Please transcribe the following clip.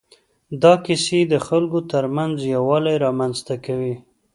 دا کیسې د خلکو تر منځ یووالی رامنځ ته کوي.